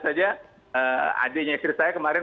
saja adiknya istri saya kemarin